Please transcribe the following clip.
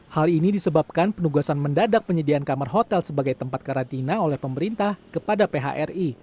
hal ini disebabkan penugasan mendadak penyediaan kamar hotel sebagai tempat karantina oleh pemerintah kepada phri